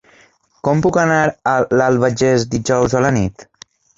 Com puc anar a l'Albagés dijous a la nit?